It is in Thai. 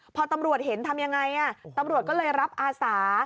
พอตำรวจเห็นทำยังไงตำรวจก็เลยรับอาสา